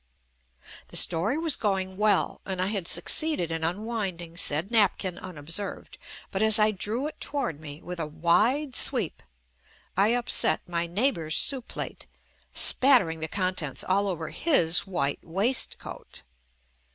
The story was going well, and I had sue ceeded in unwinding said napkin unobserved, JUST ME but as I drew it toward me with a wide sweep I upset my neighbor's soup plate, spattering the contents all over his white waistcoat.